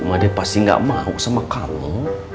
mada pasti gak mau sama kamu